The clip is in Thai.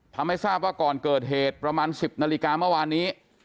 ทำให้ทราบว่าก่อนเกิดเหตุประมาณ๑๐นาฬิกาเมื่อวานนี้